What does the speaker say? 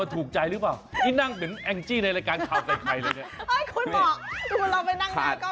เอ้ยคุณบอกคุณลองไปนั่งหน้ากล้องหน่อย